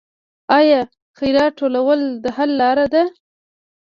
آیا خیرات ټولول د حل لاره ده؟